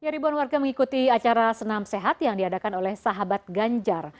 ribuan warga mengikuti acara senam sehat yang diadakan oleh sahabat ganjar